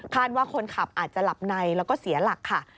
ว่าคนขับอาจจะหลับในแล้วก็เสียหลักค่ะ